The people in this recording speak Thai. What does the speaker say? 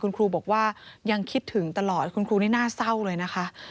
คุณครูบอกว่ายังคิดถึงตลอดคุณครูนี่น่าเศร้าเลยนะคะ